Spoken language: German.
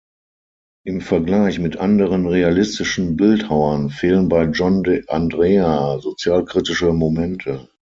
Im Vergleich mit anderen realistischen Bildhauern fehlen bei John de Andrea sozialkritische Momente.